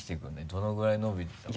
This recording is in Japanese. どのぐらい伸びてたか。